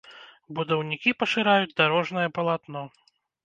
Будаўнікі пашыраюць дарожнае палатно.